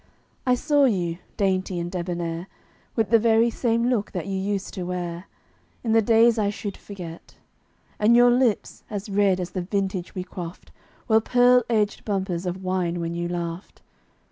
I saw you, dainty and debonair, With the very same look that you used to wear In the days I should forget. And your lips, as red as the vintage we quaffed, Were pearl edged bumpers of wine when you laughed.